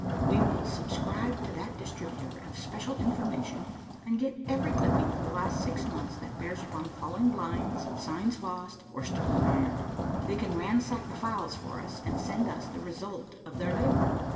"We will subscribe to that distributor of special information, and get every clipping for the last six months that bears upon falling blinds, signs lost, or stolen iron. They can ransack the files for us, and send us the result of their labor."